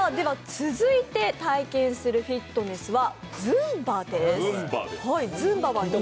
続いて体験するフィットネスはズンバです。